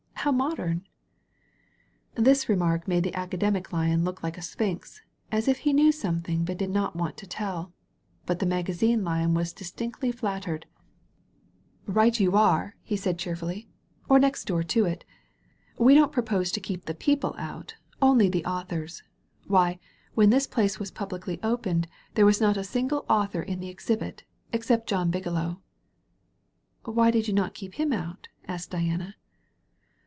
How modem!" This remark made the Academic Lion look like a Sphinx, as if he knew something but did not want to tell. But the Magazine Lion was distinctly flat* tered. 93L1 THE VALLEY OP VISION ''Bight you are, .said he cheerfully^ "or next door to it. We don't propose to keep the people out, only the authors. TiVhy, when this place was publicly opened there was not a single author in the exhibit, except John Bigelow." ''Why did you not keep him out?" asked Di ana.